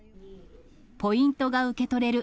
ポイントが受け取れる